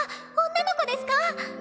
女の子ですか？